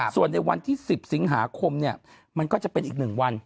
ส่วนในวันที่๑๐สิงหาคมมันก็จะเป็นอีก๑วัน